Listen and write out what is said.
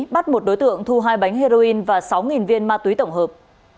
bắt một đối tượng thu hai bánh heroin và sáu viên ma túy tổng hợp